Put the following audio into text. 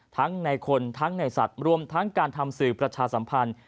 ทั้งในคนทั้งในสัตว์รวมทั้งการทำสื่อประชาสัมพันธ์